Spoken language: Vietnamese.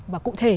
và cụ thể